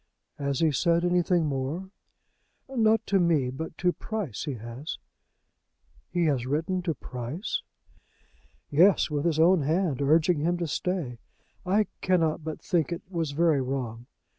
"Has he said anything more?" "Not to me; but to Price he has." "He has written to Price?" "Yes, with his own hand, urging him to stay. I cannot but think it was very wrong."